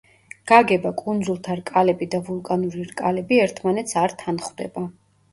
გაგება კუნძულთა რკალები და ვულკანური რკალები ერთმანეთს არ თანხვდება.